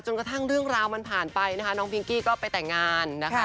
กระทั่งเรื่องราวมันผ่านไปนะคะน้องพิงกี้ก็ไปแต่งงานนะคะ